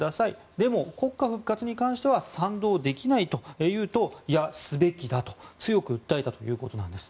でも国歌復活に関しては賛同できないと言うといや、すべきだと強く訴えたということなんです。